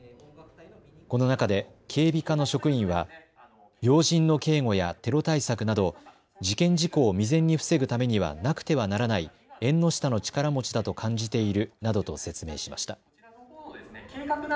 この中で警備課の職員は要人の警護やテロ対策など事件事故を未然に防ぐためにはなくてはならない縁の下の力持ちだと感じているなどと説明しました。